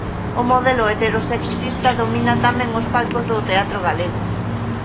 O modelo heterosexista domina tamén os palcos do teatro galego.